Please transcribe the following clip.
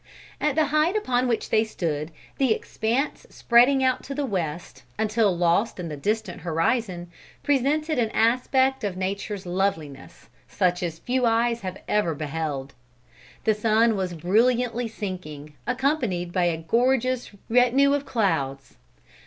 At the height upon which they stood, the expanse spreading out to the West, until lost in the distant horizon, presented an aspect of nature's loveliness such as few eyes have ever beheld. The sun was brilliantly sinking, accompanied by a gorgeous retinue of clouds.